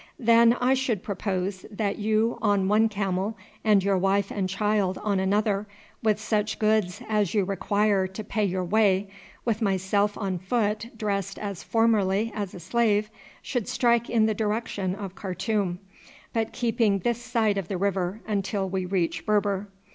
Then I should propose that you on one camel and your wife and child on another, with such goods as you require to pay your way, with myself on foot dressed as formerly as a slave, should strike in the direction of Khartoum, but keeping this side of the river until we reach Berber.